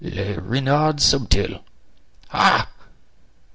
"Le Renard Subtil!" "Ha!